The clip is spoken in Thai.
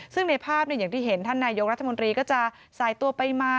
ซึ่งในภาพอย่างที่เห็นท่านนายกรัฐมนตรีก็จะสายตัวไปมา